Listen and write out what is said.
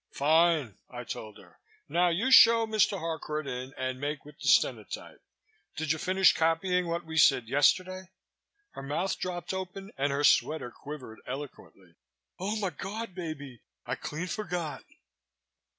"Fine!" I told her. "Now you show Mr. Harcourt in and make with the stenotype. Did you finish copying what we said yesterday?" Her mouth dropped open and her sweater quivered eloquently. "Omigawd! baby! I clean forgot."